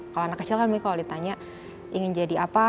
kalau anak kecil kan kalau ditanya ingin jadi apa